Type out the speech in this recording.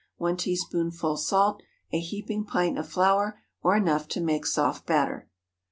1 teaspoonful salt. A heaping pint of flour, or enough to make soft batter.